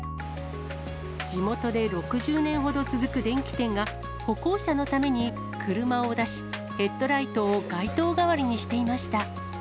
地元で６０年ほど続く電器店が、歩行者のために、車を出し、ヘッドライトを街灯代わりにしていました。